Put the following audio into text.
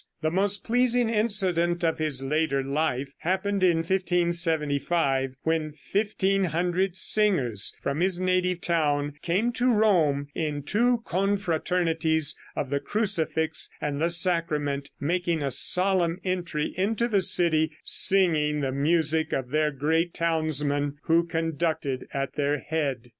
The most pleasing incident of his later life happened in 1575, when fifteen hundred singers from his native town came to Rome in two confraternities of the Crucifix and the Sacrament, making a solemn entry into the city, singing the music of their great townsman, who conducted at their head.